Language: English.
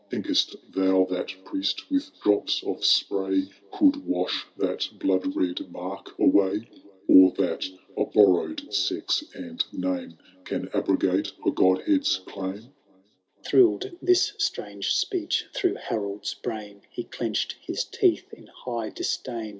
Think'st thou that priest with drops of spray Could wash that blood red mark away ? Or that a borrowed sex and name Can abrogate a Godhead^s claim ?" Thriird this strange speech through Harold's brain. He clenched his teeth in high disdain.